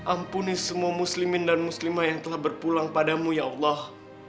ampuni semua muslimin dan muslimah yang telah berpulang padamu ya allah